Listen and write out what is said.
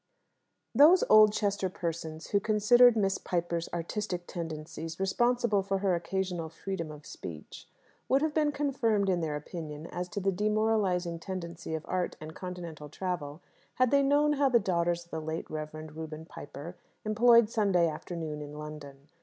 Those Oldchester persons who considered Miss Piper's artistic tendencies responsible for her occasional freedom of speech would have been confirmed in their opinion as to the demoralizing tendency of Art and Continental travel had they known how the daughters of the late Reverend Reuben Piper employed Sunday afternoon in London.